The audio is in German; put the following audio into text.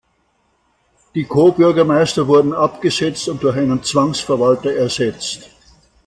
Die Co-Bürgermeister wurden abgesetzt und durch einen Zwangsverwalter ersetzt.